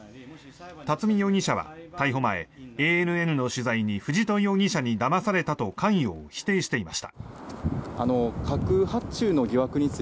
巽容疑者は逮捕前ＡＮＮの取材に藤戸容疑者にだまされたと関与を否定していました。